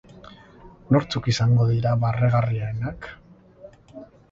Nortzuk izango dira barregarrienak?